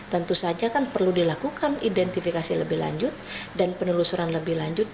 tentu saja kan perlu dilakukan identifikasi lebih lanjut dan penelusuran lebih lanjut